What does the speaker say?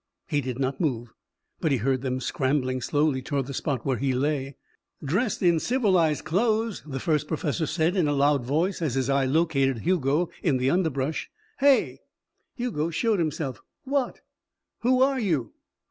He did not move, but he heard them scrambling slowly toward the spot where he lay. "Dressed in civilized clothes," the first professor said in a loud voice as his eye located Hugo in the underbrush. "Hey!" Hugo showed himself. "What?" "Who are you?"